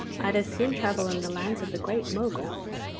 I'd as soon travel in the land of the Great Mogul!